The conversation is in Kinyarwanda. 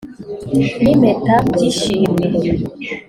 n’impeta by’ishimwe